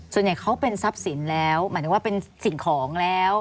ส่วนใหญ่เขาเป็นทรัพย์สินแล้วหมายถึงว่าเป็นสิ่งของแล้ว